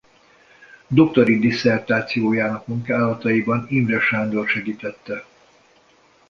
Doktori disszertációjának munkálataiban Imre Sándor segítette.